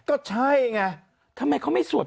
ก็ใช่ไงทำไมเขาไม่สวด